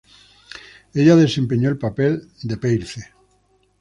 Ella desempeñó el papel de Peirce.